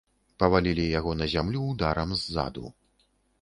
Павалілі яго на зямлю ударам ззаду.